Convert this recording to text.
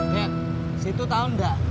nek situ tau nggak